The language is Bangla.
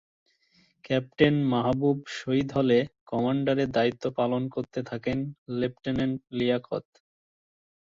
ক্যাপ্টেন মাহবুব শহীদ হলে কমান্ডারের দায়িত্ব পালন করতে থাকেন লেফটেন্যান্ট লিয়াকত।